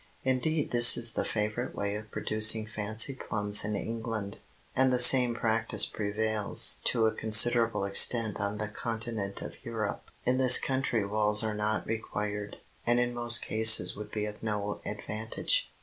Indeed this is the favorite way of producing fancy plums in England, and the same practise prevails to a considerable extent on the continent of Europe. In this country walls are not required, and in most cases would be of no advantage.